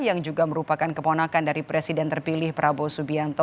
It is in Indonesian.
yang juga merupakan keponakan dari presiden terpilih prabowo subianto